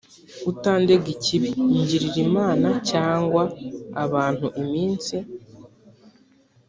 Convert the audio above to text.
utandega ikibi ngirira imana cyangwa abantu iminsi